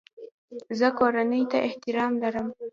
زه کورنۍ ته احترام لرم.